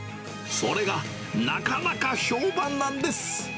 それが、なかなか評判なんです。